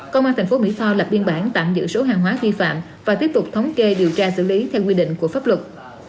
công an tp mỹ tho lập biên bản tạm giữ số hàng hóa vi phạm và tiếp tục thống kê điều tra xử lý theo quy định của pháp luật